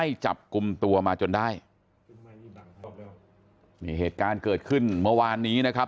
จับกลุ่มตัวมาจนได้นี่เหตุการณ์เกิดขึ้นเมื่อวานนี้นะครับ